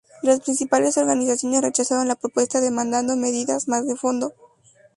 Las principales organizaciones rechazaron la propuesta demandando medidas más de fondo.